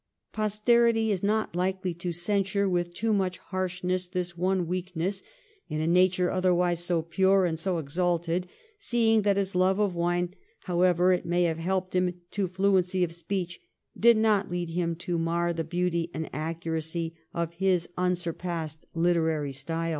Posterity is not likely to censure with too much harshness this one weakness in a nature otherwise so pure and so exalted, seeing that his love of wine, however it may have helped him to fluency of speech, did not lead him to mar the beauty and accuracy of his unsurpassed literary style.